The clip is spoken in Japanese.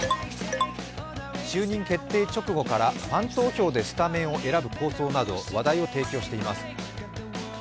就任決定直後から、ファン投票でスタメンを選ぶ構想など話題を提供しています。